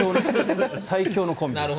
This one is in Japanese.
最強のコンビです。